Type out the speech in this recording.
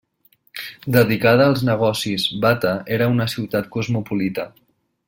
Dedicada als negocis, Bata era una ciutat cosmopolita.